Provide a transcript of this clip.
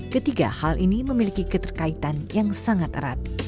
ketiga hal ini memiliki keterkaitan yang sangat erat